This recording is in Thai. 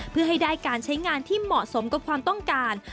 เพื่อให้ได้การใช้งานที่เหมาะสมกับความต้องการ